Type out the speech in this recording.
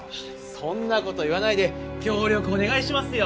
そんな事言わないで協力お願いしますよ。